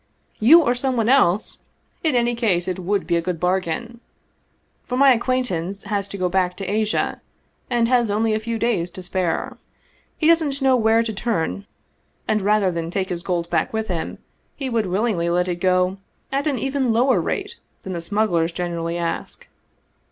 " You or some one else in any case it would be a good bargain. For my acquaintance has to go back to Asia, and has only a few days to spare. He doesn't know where to turn and rather than take his gold back with him, he would willingly let it go at an even lower rate than the smugglers generally ask.